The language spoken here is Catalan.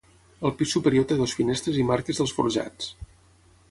Al pis superior té dues finestres i marques dels forjats.